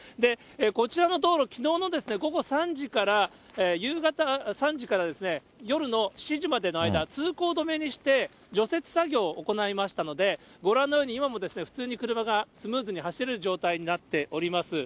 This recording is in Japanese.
こちらの道路、きのうの午後３時から、夕方３時から夜の７時までの間、通行止めにして除雪作業を行いましたので、ご覧のように、今も普通に車がスムーズに走れる状態になっております。